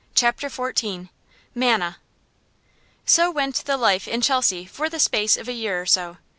CHAPTER XIV MANNA So went the life in Chelsea for the space of a year or so.